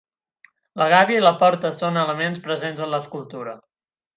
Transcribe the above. La gàbia i la porta, són elements presents en l'escultura.